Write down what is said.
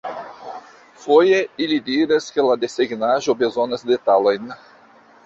Foje, ili diras ke la desegnaĵo bezonas detalojn.